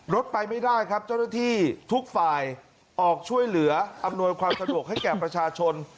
รถไปไม่ได้ครับเจ้าหน้าที่ทุกฝ่ายออกช่วยเหลืออำนวยความสะดวกให้แก่ประชาชน